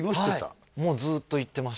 はいもうずっと行ってます